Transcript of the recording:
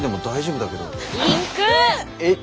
えっ。